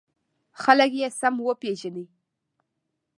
خلک یې سم وپېژني.